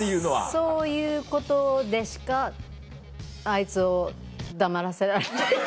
そういうことでしかあいつを黙らせられない。